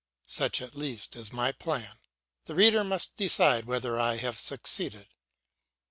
Such at least is my plan; the reader must decide whether I have succeeded.